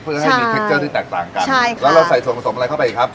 เพื่อให้มีเทคเจอร์ที่แตกต่างกันใช่ค่ะแล้วเราใส่ส่วนผสมอะไรเข้าไปอีกครับ